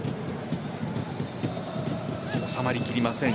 収まりきりません。